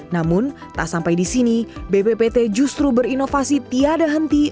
namun tak sampai di sini bppt justru berinovasi tiada henti